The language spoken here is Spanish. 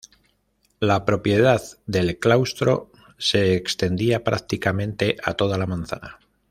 La propiedad del claustro se extendía prácticamente a toda la manzana.